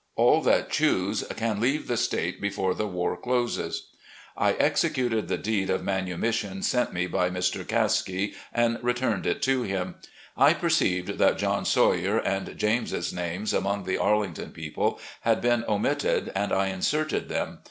All that choose can leave the State before the war closes. ..."... I executed the deed of manumission sent me by Mr. Caskie, and retxmied it to him. I perceived that John Sawyer and James's names, among the Arlington people, had been omitted, and inserted them.